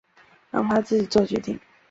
让他自己决定